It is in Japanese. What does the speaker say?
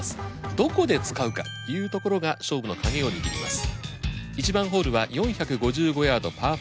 どこで使うかというところが勝負の鍵を握ります。